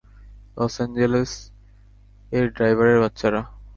Loss Angeles এর ড্রাইভারের বাচ্চারা।